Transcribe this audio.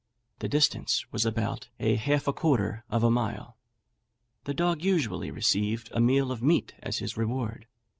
The distance was about a half a quarter of a mile. The dog usually received a meal of meat as his reward.